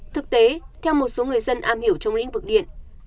thực tế theo một số người dân am hiểu trong lĩnh vực điện